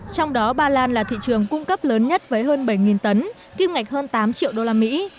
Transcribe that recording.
trong đó ba lan là thị trường cung cấp lớn nhất với hơn bảy tấn kim ngạch hơn tám triệu đô la mỹ